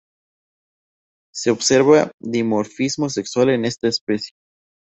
Se observa dimorfismo sexual en esta especie.